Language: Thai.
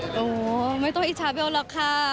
โอ้โหไม่ต้องอิจฉาเบลล่ะค่ะ